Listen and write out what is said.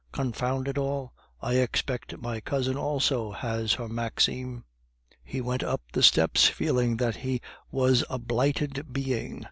"Confound it all! I expect my cousin also has her Maxime." He went up the steps, feeling that he was a blighted being.